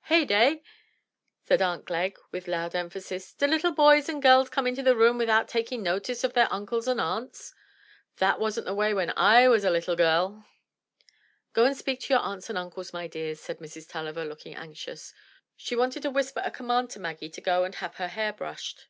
" Heyday !said Aunt Glegg with loud emphasis. '*Do little boys and gells come into a room without taking notice o'their uncles and aunts? That wasn't the way when I was a little gell." Go and speak to your aunts and uncles, my dears," said Mrs. Tulliver looking anxious. She wanted to whisper a com mand to Maggie to go and have her hair brushed.